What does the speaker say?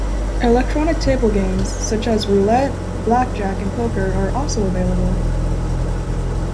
Electronic table games, such as roulette, blackjack, and poker, are also available.